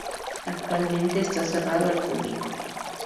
Actualmente está cerrado al público.